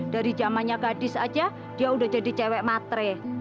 dari zamannya gadis aja dia udah jadi cewek matre